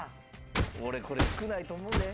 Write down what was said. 俺これ少ないと思うで。